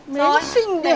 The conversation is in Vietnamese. mến xinh đẹp